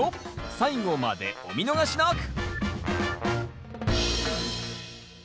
最後までお見逃しなく！